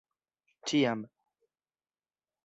Ĉiam.